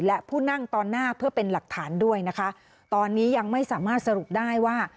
และผู้นั่งตอนหน้าเพื่อเป็นหลักฐานด้วยนะคะตอนนี้ยังไม่สามารถสรุปได้ว่า